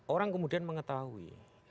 orang kemudian mengetahui